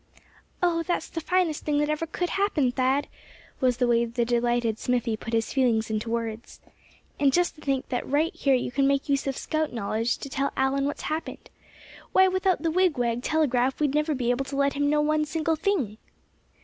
"Oh! that's the finest thing that ever could happen, Thad;" was the way the delighted Smithy put his feelings into words. "And just to think that right here you can make use of scout knowledge to tell Allan what's happened. Why, without the wigwag telegraph we'd never be able to let him know one single thing."